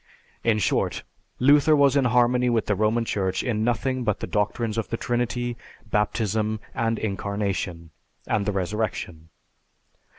In short, Luther was in harmony with the Roman Church in nothing but the doctrines of the Trinity, Baptism, the Incarnation, and the Resurrection.